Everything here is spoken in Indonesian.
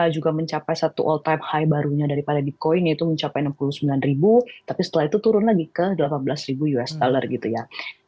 dua ribu dua puluh satu juga mencapai satu all time high barunya daripada bitcoin yaitu mencapai enam puluh sembilan ribu tapi setelah itu turun lagi ke delapan belas ribu us dollar gitu ya